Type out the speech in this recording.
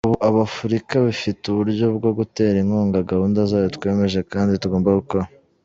Ubu Afurika ifite uburyo bwo gutera inkunga gahunda zayo twemeje kandi tugomba gukora.